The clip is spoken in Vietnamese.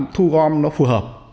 thu gom nó phù hợp